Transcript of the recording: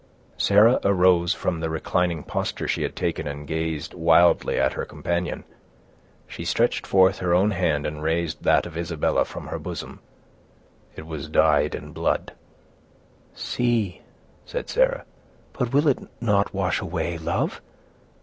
Sarah arose from the reclining posture she had taken, and gazed wildly at her companion. She stretched forth her own hand, and raised that of Isabella from her bosom. It was dyed in blood. "See," said Sarah, "but will it not wash away love?